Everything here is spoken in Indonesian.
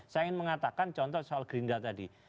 saya ingin mengatakan contoh soal gerinda tadi